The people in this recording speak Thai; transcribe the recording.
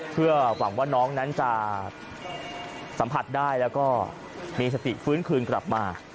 เพื่อหวังว่าน้องนั้นจะสัมผัสได้แล้วก็มีสติฟื้นคืนกลับมา